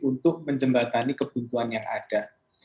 untuk menjembatani kebutuhan yang ada